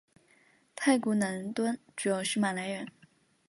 泰国南端主要是马来人。